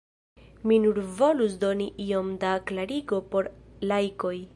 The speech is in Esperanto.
Mi nur volus doni iom da klarigo por laikoj.